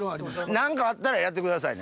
何かあったらやってくださいね。